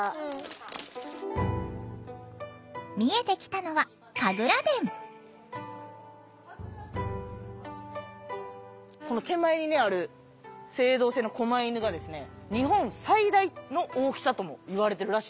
見えてきたのはこの手前にある青銅製のこま犬が日本最大の大きさともいわれてるらしいんです。